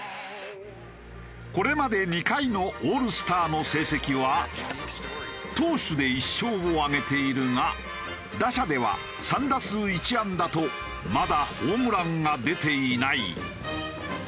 これまで２回のオールスターの成績は投手で１勝を挙げているが打者では３打数１安打とまだホームランが出ていない。